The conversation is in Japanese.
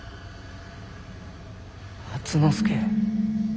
初之助。